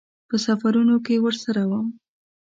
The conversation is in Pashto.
په سفرونو کې ورسره وم.